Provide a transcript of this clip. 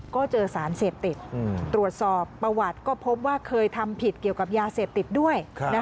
ก็เจอสารเสพติดตรวจสอบประวัติก็พบว่าเคยทำผิดเกี่ยวกับยาเสพติดด้วย